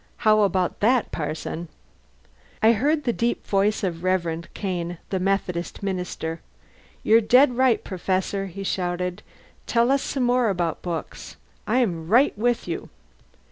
How about that, parson?" I heard the deep voice of Reverend Kane, the Methodist minister: "You're dead right, Professor!" he shouted. "Tell us some more about books. I'm right with you!"